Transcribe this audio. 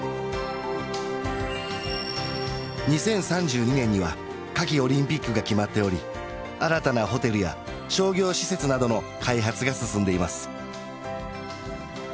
２０３２年には夏季オリンピックが決まっており新たなホテルや商業施設などの開発が進んでいます